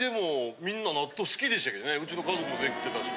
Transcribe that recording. うちの家族も全員食ってたし。